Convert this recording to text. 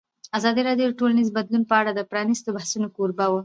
ازادي راډیو د ټولنیز بدلون په اړه د پرانیستو بحثونو کوربه وه.